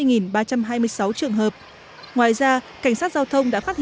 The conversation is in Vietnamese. ngoài ra cảnh sát giao thông đã phát hiện và xử lý sáu sáu trăm hai mươi bốn lái xe